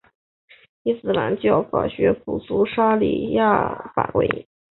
伊斯兰教法学补足沙里亚法规。